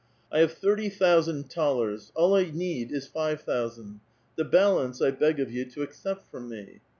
"I have thirty thousand thalers ; all 1 need is five thousand. The balance I beg of you to ac cept from me."